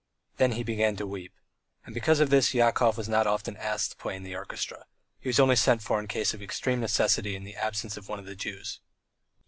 Then he began to weep. And because of this Yakov was not often asked to play in the orchestra; he was only sent for in case of extreme necessity in the absence of one of the Jews.